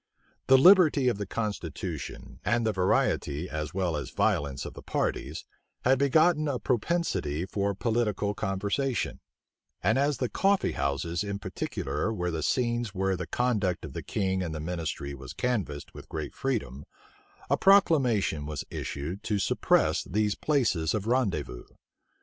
The liberty of the constitution, and the variety as well as violence of the parties, had begotten a propensity for political conversation; and as the coffee houses in particular were the scenes where the conduct of the king and the ministry was canvassed with great freedom, a proclamation was issued to suppress these places of rendezvous.